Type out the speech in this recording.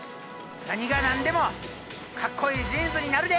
なにがなんでもかっこいいジーンズになるで！